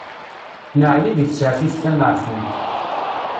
Neɛya si tsertit tameɛfunt.